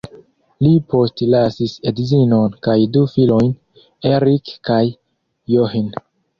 Li postlasis edzinon kaj du filojn, Erik kaj John.